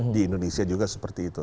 di indonesia juga seperti itu